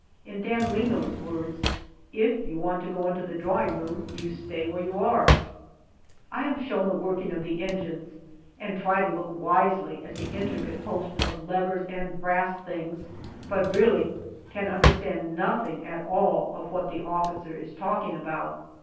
In Dan Leno's words, " If you want to go into the drawing room you stay where you are !" I am shown the working 118 GALLIPOLI DIARY of the engines, and try to look wisely at the intricate host of levers and brass things, but really can understand nothing at all of what the officer is talking about.